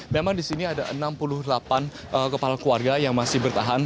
memang di sini ada enam puluh delapan kepala keluarga yang masih bertahan